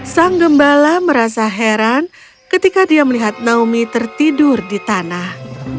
sang gembala merasa heran ketika dia melihat naomi tertidur di tanah